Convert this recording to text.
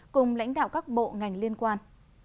cùng lãnh đạo các bộ ngành liên quan